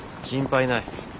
心配ない。